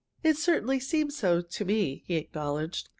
"It certainly seems so to me," he acknowledged.